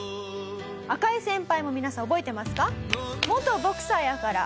赤井先輩も皆さん覚えてますか？